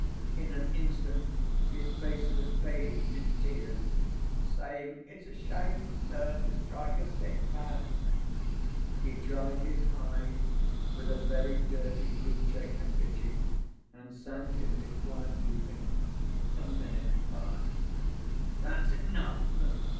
In an instant his face was bathed in tears. Saying, "It's a shame, sir, to strike a sick man," he dried his eyes with a very dirty blue check handkerchief and sank into quiet weeping. A minute passed. "That's enough!